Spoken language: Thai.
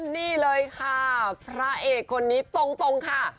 นี่เลยค่ะพระเอกคนนี้ตรงค่ะ